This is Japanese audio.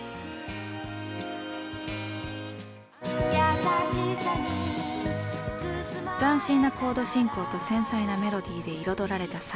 斬新なコード進行と繊細なメロディーで彩られたサウンド。